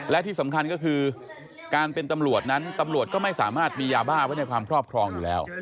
และที่สำคัญก็คือการเป็นตำรวจนั้นตำรวจก็ไม่สามารถมียาบ้าไว้ในความครอบครองอยู่แล้ว